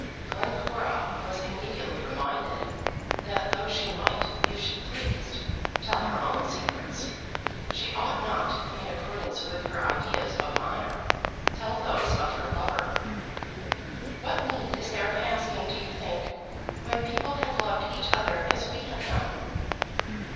Glencora was immediately reminded that though she might, if she pleased, tell her own secrets, she ought not, in accordance with her ideas of honour, tell those of her lover. "What need is there of asking, do you think, when people have loved each other as we have done?"